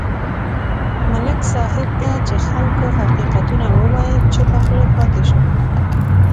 ملک صاحب ته چې خلکو حقیقتونه وویل، چوپه خوله پاتې شو.